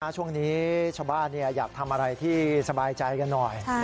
ช่วงนี้ชาวบ้านอยากทำอะไรที่สบายใจกันหน่อย